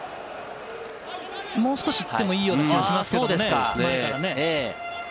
もう少し行ってもいいような気もしますけれどもね、前から。